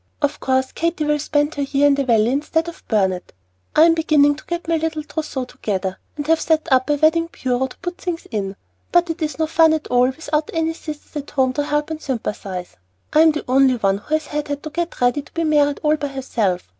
Of course Katy will spend her year in the Valley instead of Burnet. I am beginning to get my little trousseau together, and have set up a 'wedding bureau' to put the things in; but it is no fun at all without any sisters at home to help and sympathize. I am the only one who has had to get ready to be married all by herself.